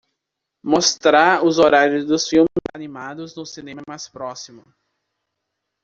Mostrar os horários dos filmes animados no cinema mais próximo